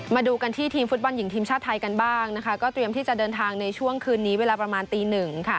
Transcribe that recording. มาดูกันที่ทีมฟุตบอลหญิงทีมชาติไทยกันบ้างนะคะก็เตรียมที่จะเดินทางในช่วงคืนนี้เวลาประมาณตีหนึ่ง